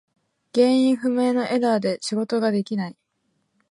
原因不明のエラーで仕事ができない。